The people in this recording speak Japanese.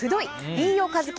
飯尾和樹